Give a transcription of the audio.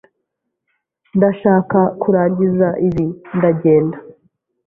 Ndashaka kurangiza ibi ndagenda.